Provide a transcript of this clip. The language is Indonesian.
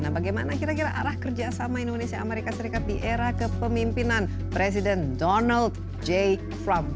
nah bagaimana kira kira arah kerjasama indonesia amerika serikat di era kepemimpinan presiden donald j trump